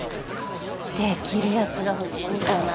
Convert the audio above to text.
できるやつが欲しいんだよな。